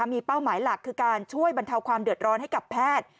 มีเป้าหมายหลักคือการช่วยบรรเทาความเดือดร้อนให้กับแพทย์